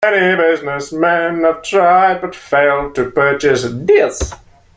Many businessmen have tried, but failed to purchase this.